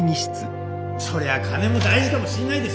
そりゃ金も大事かもしんないですよ。